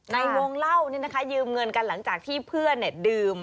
ในวงเล่ายืมเงินกันหลังจากที่เพื่อนดื่ม